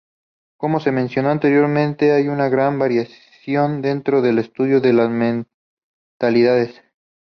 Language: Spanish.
Como se mencionó anteriormente, hay una gran variación dentro del estudio de las mentalidades.